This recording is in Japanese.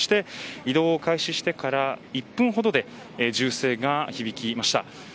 移動を開始してから１分ほどで銃声が響きました。